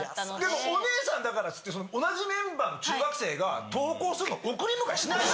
でもお姉さんだからっていって同じメンバーの中学生が登校するのを。